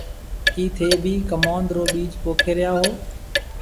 ڪِي ٿَي ڀِي ڪموُند رو ٻِيج پوکي ريا هون۔